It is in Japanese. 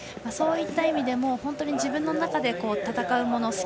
そういった意味でも自分の中で戦うもの